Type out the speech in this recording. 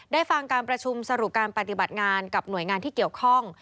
ฟังการประชุมสรุปการปฏิบัติงานกับหน่วยงานที่เกี่ยวข้อง